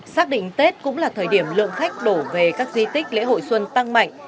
xác định tết cũng là thời điểm lượng khách đổ về các di tích lễ hội xuân tăng mạnh